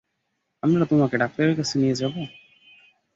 আমরা তোমাকে ডাক্তারের কাছে নিয়ে যাব।